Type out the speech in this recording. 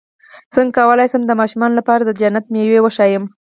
څنګه کولی شم د ماشومانو لپاره د جنت مېوې وښایم